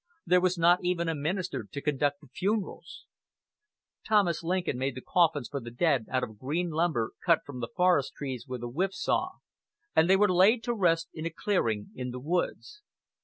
There was not even a minister to conduct the funerals. Thomas Lincoln made the coffins for the dead out of green lumber cut from the forest trees with a whip saw, and they were laid to rest in a clearing in the woods.